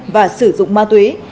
và sử dụng ma túy